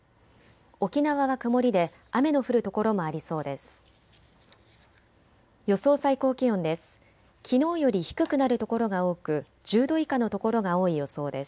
沖縄は曇りで雨の降る所もありそうです。